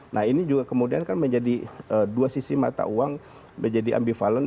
nah ini juga kemudian kan menjadi dua sisi mata uang menjadi ambivalen